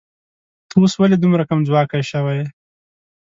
ته اوس ولې دومره کمځواکی شوې